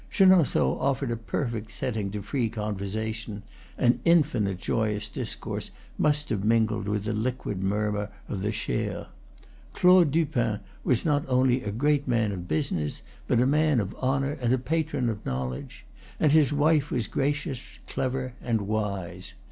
Chenon ceaux offered a perfect setting to free conversation; and infinite joyous discourse must have mingled with the liquid murmur of the Cher. Claude Dupin was not only a great man of business, but a man of honor and a patron of knowledge; and his wife was gracious, clever, and wise.